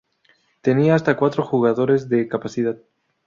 Tenía hasta cuatro jugadores de capacidad.